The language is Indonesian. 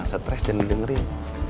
stres jangan dengerin